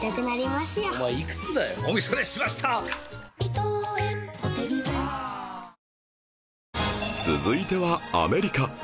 東芝続いてはアメリカ